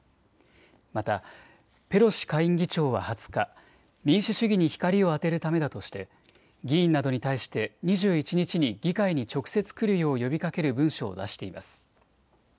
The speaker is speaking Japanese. また、ペロシ下院議長は２０日、民主主義に光を当てるためだとして議員などに対して２１日に議会に直接来るよう呼びかける文書を出しています。